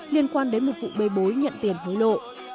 liên quan đến một vụ bê bối nhận tiền hối lộ